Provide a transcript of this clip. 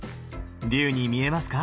龍に見えますか？